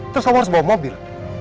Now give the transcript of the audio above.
terus kamu harus bawa mobil